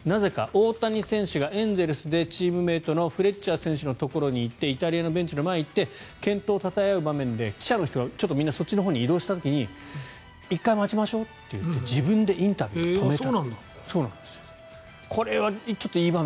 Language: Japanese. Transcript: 大谷選手がエンゼルスでチームメートのフレッチャー選手のところに行ってイタリアのベンチの前に行って健闘をたたえ合う場面で記者の方がそっちのほうに移動した時に１回待ちましょうと言って自分でインタビューを止めた。